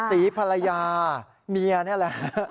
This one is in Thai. ศรีภรรยาเมียนี่แหละ